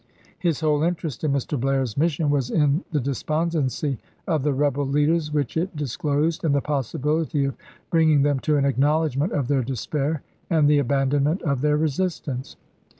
His whole interest in Mr. Blair's mission was in the despondency of the rebel leaders which it disclosed, and the possibility of bringing them to an acknowledgment of their despair and the abandonment of their resistance.